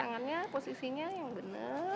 tangannya posisinya yang benar